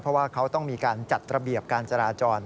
เพราะว่าเขาต้องมีการจัดระเบียบการจราจร